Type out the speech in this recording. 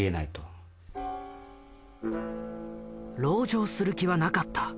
「ろう城する気はなかった」。